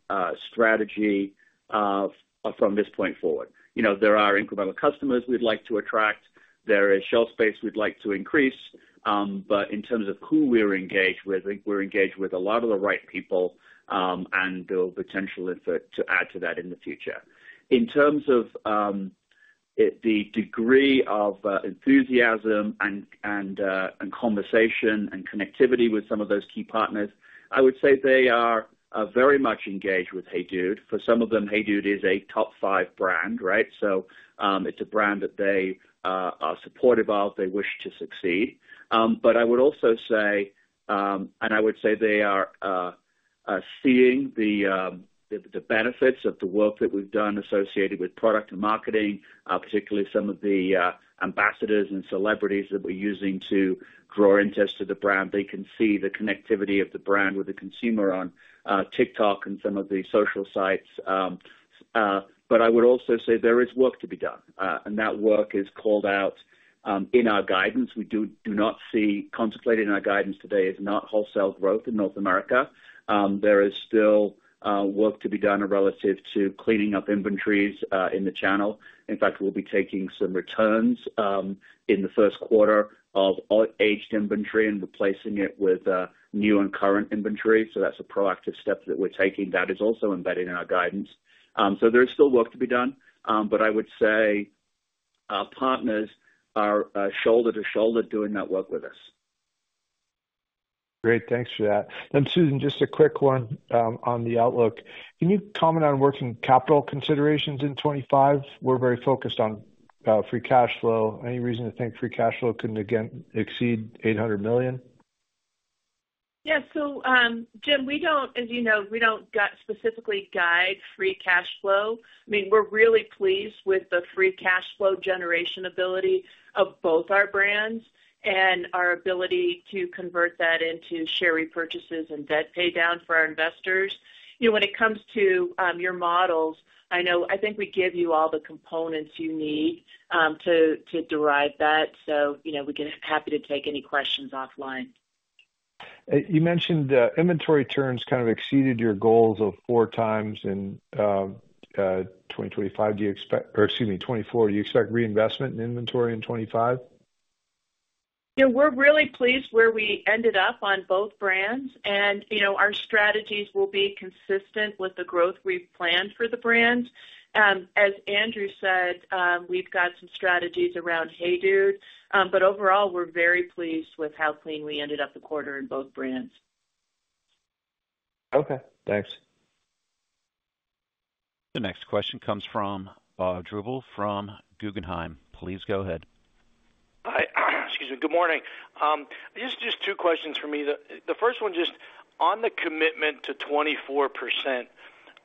strategy from this point forward. There are incremental customers we'd like to attract. There is shelf space we'd like to increase. But in terms of who we're engaged with, I think we're engaged with a lot of the right people and do a potential effort to add to that in the future. In terms of the degree of enthusiasm and conversation and connectivity with some of those key partners, I would say they are very much engaged with HEYDUDE. For some of them, HEYDUDE is a top five brand, right? So it's a brand that they are supportive of. They wish to succeed. But I would also say, and I would say they are seeing the benefits of the work that we've done associated with product and marketing, particularly some of the ambassadors and celebrities that we're using to draw interest to the brand. They can see the connectivity of the brand with the consumer on TikTok and some of the social sites. But I would also say there is work to be done, and that work is called out in our guidance. We do not see contemplated in our guidance today is not wholesale growth in North America. There is still work to be done relative to cleaning up inventories in the channel. In fact, we'll be taking some returns in the first quarter of aged inventory and replacing it with new and current inventory. So that's a proactive step that we're taking that is also embedded in our guidance. So there is still work to be done. But I would say our partners are shoulder to shoulder doing that work with us. Great. Thanks for that. And Susan, just a quick one on the outlook. Can you comment on working capital considerations in 2025? We're very focused on free cash flow. Any reason to think free cash flow couldn't again exceed $800 million? Yeah. So Jim, as you know, we don't specifically guide free cash flow. I mean, we're really pleased with the free cash flow generation ability of both our brands and our ability to convert that into share repurchases and debt pay down for our investors. When it comes to your models, I think we give you all the components you need to derive that. So we're happy to take any questions offline. You mentioned inventory turns kind of exceeded your goals of four times in 2025. Excuse me, 2024. Do you expect reinvestment in inventory in 2025? Yeah. We're really pleased where we ended up on both brands. And our strategies will be consistent with the growth we've planned for the brands. As Andrew said, we've got some strategies around HEYDUDE. But overall, we're very pleased with how clean we ended up the quarter in both brands. Okay. Thanks. The next question comes from Bob Drbul from Guggenheim. Please go ahead. Excuse me. Good morning. Just two questions for me. The first one, just on the commitment to 24%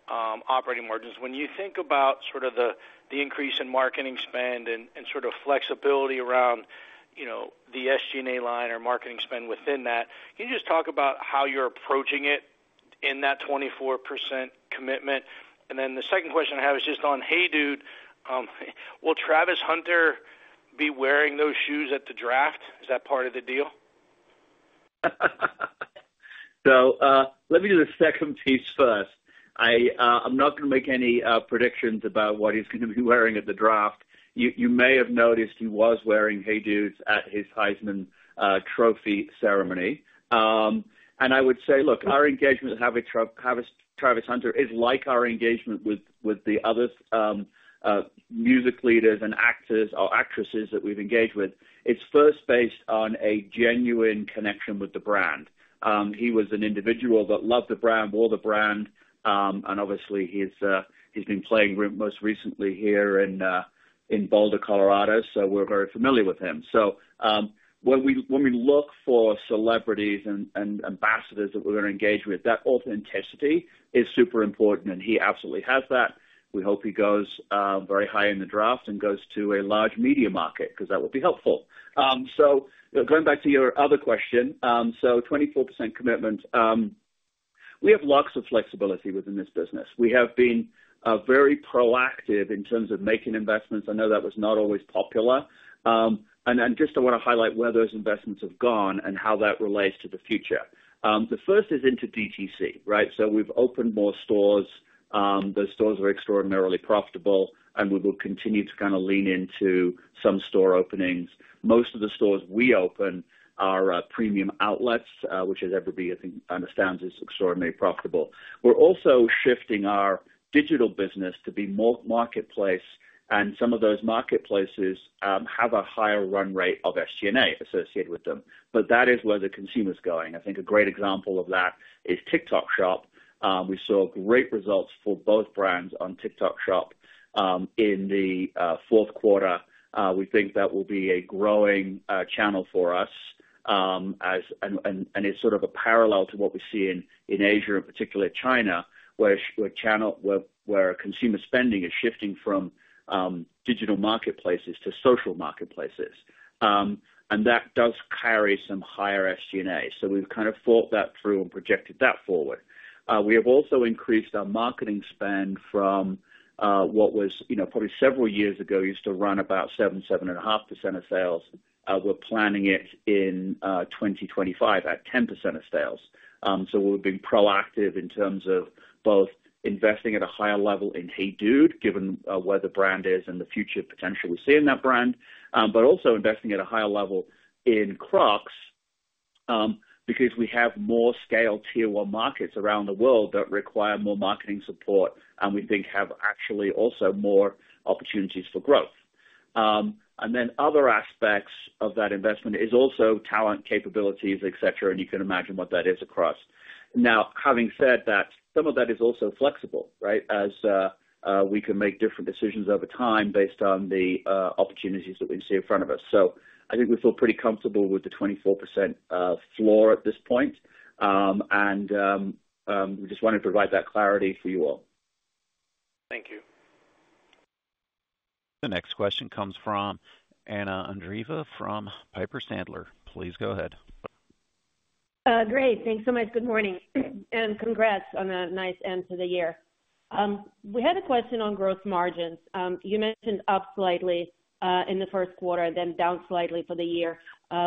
operating margins, when you think about sort of the increase in marketing spend and sort of flexibility around the SG&A line or marketing spend within that, can you just talk about how you're approaching it in that 24% commitment? And then the second question I have is just on HEYDUDE. Will Travis Hunter be wearing those shoes at the draft? Is that part of the deal? So let me do the second piece first. I'm not going to make any predictions about what he's going to be wearing at the draft. You may have noticed he was wearing HEYDUDEs at his Heisman Trophy ceremony. And I would say, look, our engagement with Travis Hunter is like our engagement with the other music leaders and actors or actresses that we've engaged with. It's first based on a genuine connection with the brand. He was an individual that loved the brand, wore the brand. And obviously, he's been playing most recently here in Boulder, Colorado. So we're very familiar with him. So when we look for celebrities and ambassadors that we're going to engage with, that authenticity is super important. And he absolutely has that. We hope he goes very high in the draft and goes to a large media market because that would be helpful. Going back to your other question, so 24% commitment, we have lots of flexibility within this business. We have been very proactive in terms of making investments. I know that was not always popular. Just, I want to highlight where those investments have gone and how that relates to the future. The first is into DTC, right? We've opened more stores. Those stores are extraordinarily profitable. We will continue to kind of lean into some store openings. Most of the stores we open are premium outlets, which, as everybody I think understands, is extraordinarily profitable. We're also shifting our digital business to be more marketplace. Some of those marketplaces have a higher run rate of SG&A associated with them. But that is where the consumer's going. I think a great example of that is TikTok Shop. We saw great results for both brands on TikTok Shop in the fourth quarter. We think that will be a growing channel for us. And it's sort of a parallel to what we see in Asia, in particular China, where consumer spending is shifting from digital marketplaces to social marketplaces. And that does carry some higher SG&A. So we've kind of thought that through and projected that forward. We have also increased our marketing spend from what was probably several years ago, used to run about 7%-7.5% of sales. We're planning it in 2025 at 10% of sales. So we've been proactive in terms of both investing at a higher level in HEYDUDE, given where the brand is and the future potential we see in that brand, but also investing at a higher level in Crocs because we have more scale Tier 1 markets around the world that require more marketing support and we think have actually also more opportunities for growth. And then other aspects of that investment is also talent, capabilities, etc. And you can imagine what that is across. Now, having said that, some of that is also flexible, right, as we can make different decisions over time based on the opportunities that we see in front of us. So I think we feel pretty comfortable with the 24% floor at this point. And we just wanted to provide that clarity for you all. Thank you. The next question comes from Anna Andreeva from Piper Sandler. Please go ahead. Great. Thanks so much. Good morning. And congrats on a nice end to the year. We had a question on gross margins. You mentioned up slightly in the first quarter and then down slightly for the year,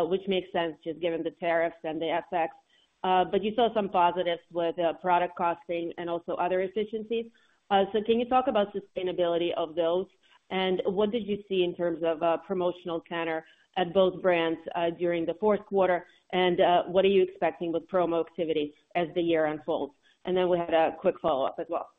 which makes sense just given the tariffs and the effects. But you saw some positives with product costing and also other efficiencies. So can you talk about sustainability of those? And what did you see in terms of promotional tenor at both brands during the fourth quarter? And what are you expecting with promo activity as the year unfolds? And then we had a quick follow-up as well.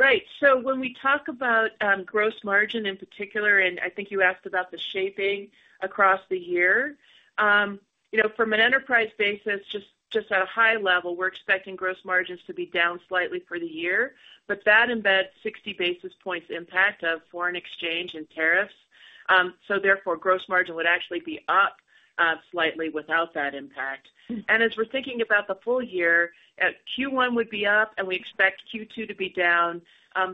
Right. So when we talk about gross margin in particular, and I think you asked about the shaping across the year, from an enterprise basis, just at a high level, we're expecting gross margins to be down slightly for the year. But that embeds 60 basis points impact of foreign exchange and tariffs. So therefore, gross margin would actually be up slightly without that impact. And as we're thinking about the full year, Q1 would be up, and we expect Q2 to be down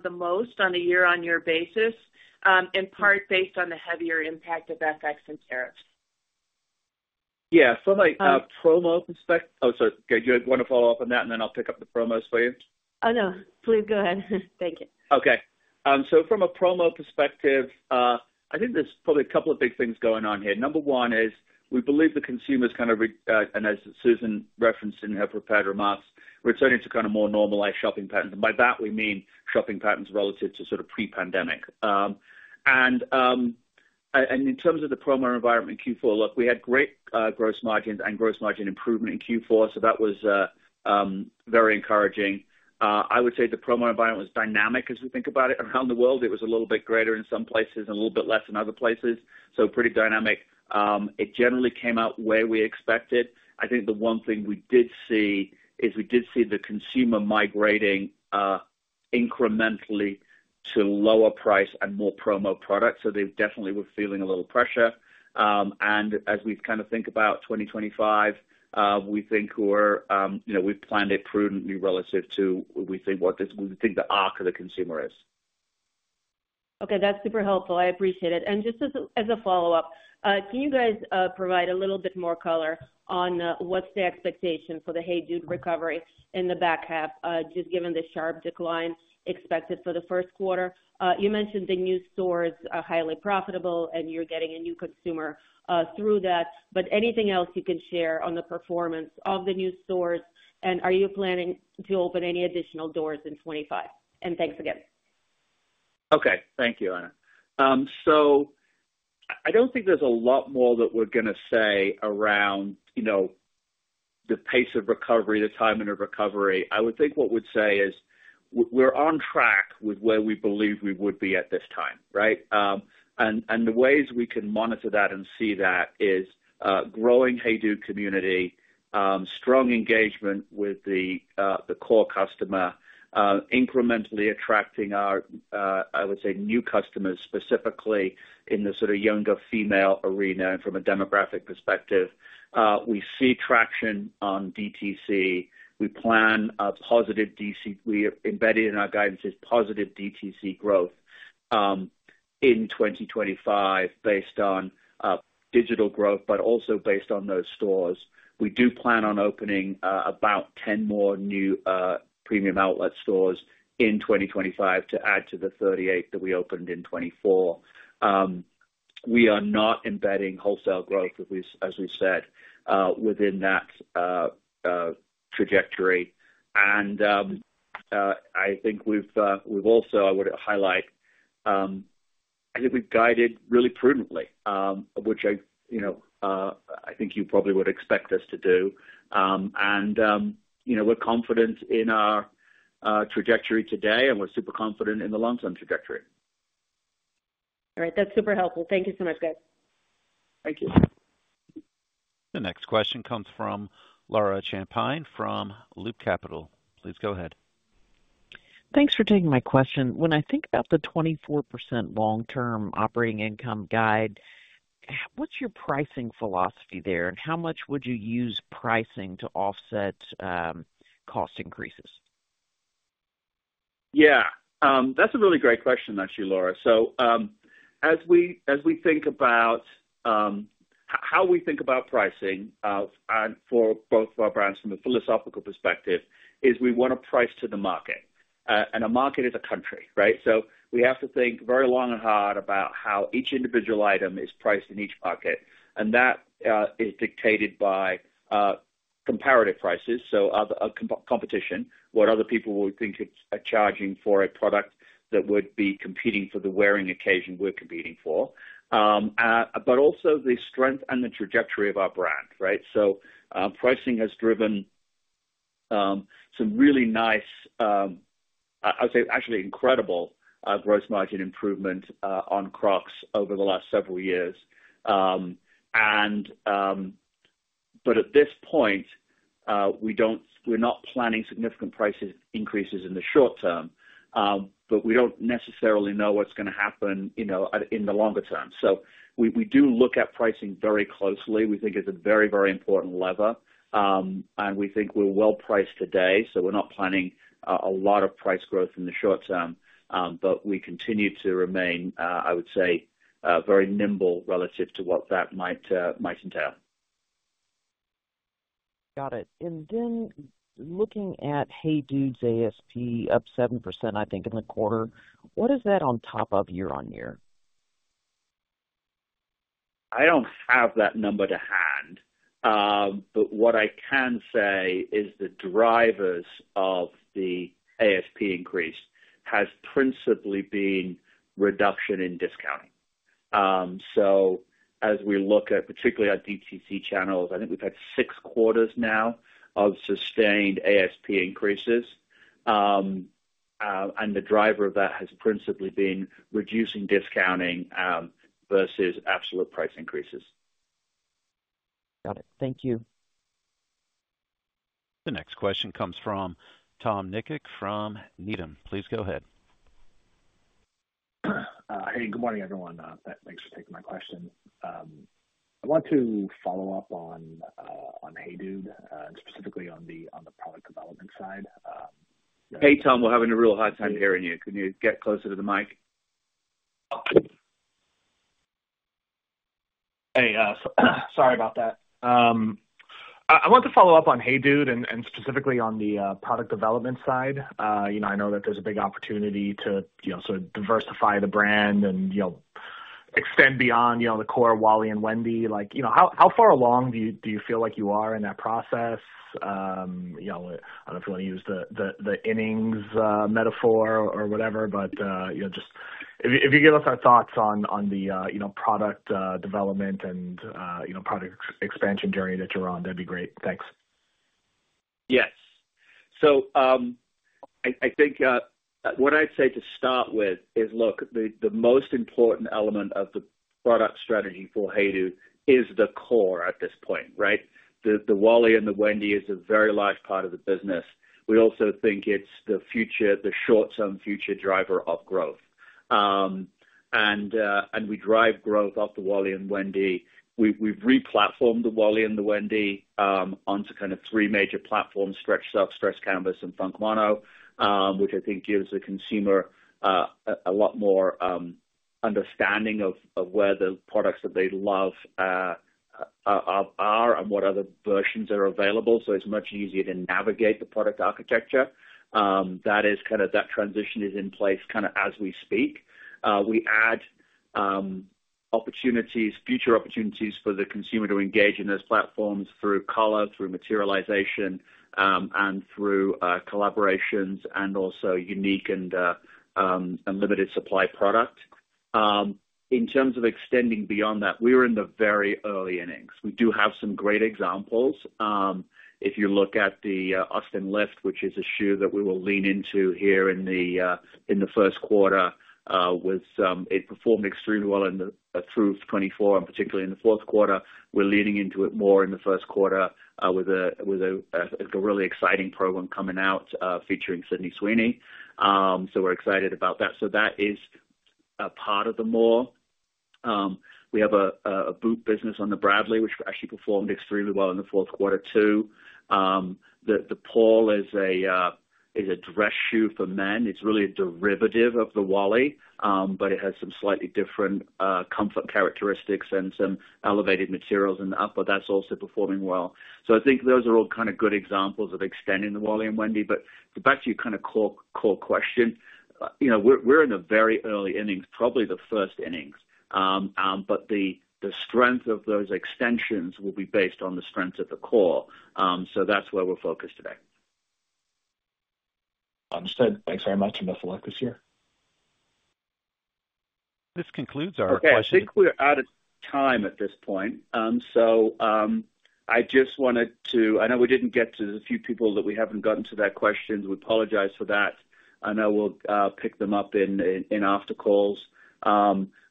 the most on a year-on-year basis, in part based on the heavier impact of FX and tariffs. Yeah. From a promo perspective, oh, sorry. You want to follow up on that, and then I'll pick up the promos for you? Oh, no. Please go ahead. Thank you. Okay. So from a promo perspective, I think there's probably a couple of big things going on here. Number one is we believe the consumer's kind of, and as Susan referenced in her prepared remarks, returning to kind of more normalized shopping patterns. By that, we mean shopping patterns relative to sort of pre-pandemic. In terms of the promo environment in Q4, look, we had great gross margins and gross margin improvement in Q4. That was very encouraging. I would say the promo environment was dynamic as we think about it around the world. It was a little bit greater in some places and a little bit less in other places. Pretty dynamic. It generally came out where we expected. I think the one thing we did see is we did see the consumer migrating incrementally to lower price and more promo products. They definitely were feeling a little pressure. And as we kind of think about 2025, we think we've planned it prudently relative to what we think the arc of the consumer is. Okay. That's super helpful. I appreciate it. And just as a follow-up, can you guys provide a little bit more color on what's the expectation for the HEYDUDE recovery in the back half, just given the sharp decline expected for the first quarter? You mentioned the new stores are highly profitable, and you're getting a new consumer through that. But anything else you can share on the performance of the new stores? And are you planning to open any additional doors in 2025? And thanks again. Okay. Thank you, Anna. So I don't think there's a lot more that we're going to say around the pace of recovery, the timing of recovery. I would think what we'd say is we're on track with where we believe we would be at this time, right? And the ways we can monitor that and see that is growing HEYDUDE community, strong engagement with the core customer, incrementally attracting our, I would say, new customers specifically in the sort of younger female arena and from a demographic perspective. We see traction on DTC. We plan a positive DTC. We embedded in our guidance is positive DTC growth in 2025 based on digital growth, but also based on those stores. We do plan on opening about 10 more new premium outlet stores in 2025 to add to the 38 that we opened in 2024. We are not embedding wholesale growth, as we said, within that trajectory. And I think we've also, I would highlight, I think we've guided really prudently, which I think you probably would expect us to do. And we're confident in our trajectory today, and we're super confident in the long-term trajectory. All right. That's super helpful. Thank you so much, guys. Thank you. The next question comes from Laura Champine from Loop Capital. Please go ahead. Thanks for taking my question. When I think about the 24% long-term operating income guide, what's your pricing philosophy there? And how much would you use pricing to offset cost increases? Yeah. That's a really great question, actually, Laura. So as we think about how we think about pricing for both of our brands from a philosophical perspective, is we want to price to the market. And a market is a country, right? We have to think very long and hard about how each individual item is priced in each market. And that is dictated by comparative prices, so competition, what other people will think are charging for a product that would be competing for the wearing occasion we're competing for, but also the strength and the trajectory of our brand, right? Pricing has driven some really nice, I would say actually incredible gross margin improvement on Crocs over the last several years. But at this point, we're not planning significant price increases in the short term, but we don't necessarily know what's going to happen in the longer term. We do look at pricing very closely. We think it's a very, very important lever. And we think we're well priced today. We're not planning a lot of price growth in the short term. But we continue to remain, I would say, very nimble relative to what that might entail. Got it. And then looking at HEYDUDE's ASP up 7%, I think, in the quarter, what is that on top of year-on-year? I don't have that number to hand. But what I can say is the drivers of the ASP increase has principally been reduction in discounting. So as we look at particularly our DTC channels, I think we've had six quarters now of sustained ASP increases. And the driver of that has principally been reducing discounting versus absolute price increases. Got it. Thank you. The next question comes from Tom Nikic from Needham. Please go ahead. Hey, good morning, everyone. Thanks for taking my question. I want to follow up on HEYDUDE, specifically on the product development side. Hey, Tom, we're having a real hard time hearing you. Can you get closer to the mic? Hey, sorry about that. I want to follow up on HEYDUDE and specifically on the product development side. I know that there's a big opportunity to sort of diversify the brand and extend beyond the core Wally and Wendy. How far along do you feel like you are in that process? I don't know if you want to use the innings metaphor or whatever, but just if you give us our thoughts on the product development and product expansion journey that you're on, that'd be great. Thanks. Yes. So I think what I'd say to start with is, look, the most important element of the product strategy for HEYDUDE is the core at this point, right? The Wally and the Wendy is a very large part of the business. We also think it's the short-term future driver of growth. And we drive growth off the Wally and Wendy. We've replatformed the Wally and the Wendy onto kind of three major platforms: Stretch Sox, Stretch Canvas, and Funk Mono, which I think gives the consumer a lot more understanding of where the products that they love are and what other versions are available. So it's much easier to navigate the product architecture. That is kind of that transition is in place kind of as we speak. We add opportunities, future opportunities for the consumer to engage in those platforms through color, through materialization, and through collaborations, and also unique and limited supply product. In terms of extending beyond that, we are in the very early innings. We do have some great examples. If you look at the Austin Lift, which is a shoe that we will lean into here in the first quarter, it performed extremely well through 2024, and particularly in the fourth quarter. We're leaning into it more in the first quarter with a really exciting program coming out featuring Sydney Sweeney. So we're excited about that. So that is a part of the more. We have a boot business on the Bradley, which actually performed extremely well in the fourth quarter too. The Paul is a dress shoe for men. It's really a derivative of the Wally, but it has some slightly different comfort characteristics and some elevated materials in the upper. That's also performing well. So I think those are all kind of good examples of extending the Wally and Wendy. But back to your kind of core question, we're in the very early innings, probably the first innings. But the strength of those extensions will be based on the strength of the core. So that's where we're focused today. Understood. Thanks very much. And best of luck this year. This concludes our questions. I think we're out of time at this point. So I just wanted to. I know we didn't get to the few people that we haven't gotten to their questions. We apologize for that. I know we'll pick them up in after calls.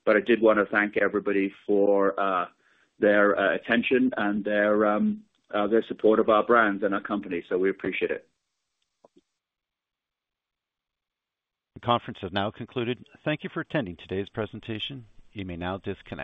But I did want to thank everybody for their attention and their support of our brands and our company. So we appreciate it. The conference has now concluded. Thank you for attending today's presentation. You may now disconnect.